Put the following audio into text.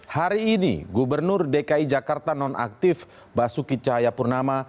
hari ini gubernur dki jakarta nonaktif basuki cahayapurnama